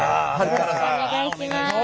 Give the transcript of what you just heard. よろしくお願いします。